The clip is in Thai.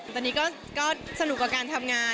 ตอนนี้เรื่องนี้ก็สนุกกว่าการทำงาน